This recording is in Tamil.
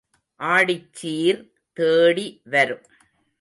ஆடிச்சீர் தேடி வரும்.